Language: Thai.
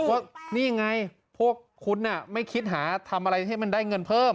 ว่านี่ไงพวกคุณไม่คิดหาทำอะไรให้มันได้เงินเพิ่ม